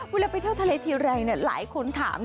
เวลาไปเที่ยวทะเลทีแรงหลายคนถาม